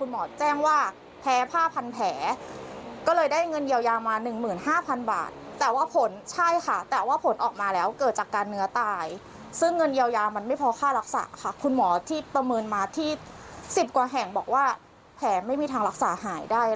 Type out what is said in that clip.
คุณหมอจะรับผิดชอบหนูยังไงคะ